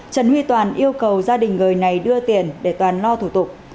trần huy toàn yêu cầu gia đình người này đưa tiền để toàn lo thủ tục